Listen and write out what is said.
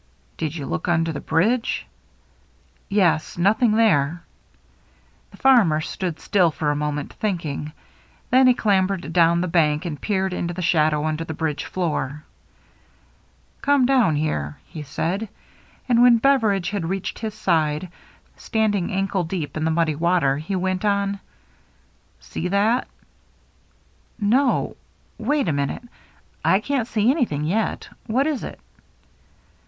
" Did you look under the bridge ?"Yes. Nothing there." The farmer stood still for a moment, think ing ; then he clambered down the bank and peered into the shadow under the bridge floor. " Come down here," he said. And when Bev eridge had reached his side, standing ankle deep in the muddy water, he went on, " See that?" " No — wait a minute, I can't see anything yet. What is it